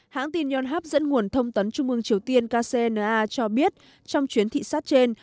hãng tin yonhap dẫn nguồn thông tấn trung ương triều tiên kcna cho biết trong chuyến thị sát trên